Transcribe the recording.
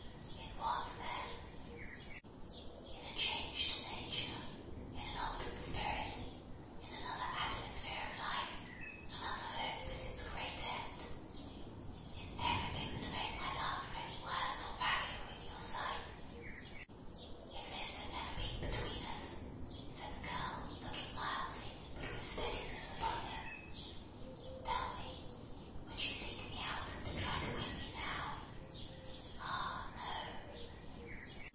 "In what, then?" "In a changed nature; in an altered spirit; in another atmosphere of life; another Hope as its great end. In everything that made my love of any worth or value in your sight. If this had never been between us," said the girl, looking mildly, but with steadiness, upon him; "tell me, would you seek me out and try to win me now? Ah, no!"